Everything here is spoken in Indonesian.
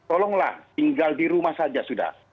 tolonglah tinggal di rumah saja sudah